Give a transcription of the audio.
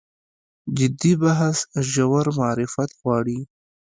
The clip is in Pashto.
جدي بحث ژور معرفت غواړي.